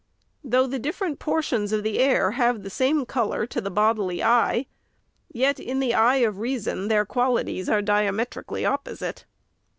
Though the different portions of the air have the same color to the bodily eye, yet in the eye of reason their qualities are diametrically opposite.